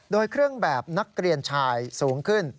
โดยเครื่องแบบนักเรียนชายสูงขึ้น